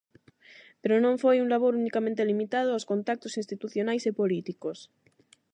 Pero non foi un labor unicamente limitado aos contactos institucionais e políticos.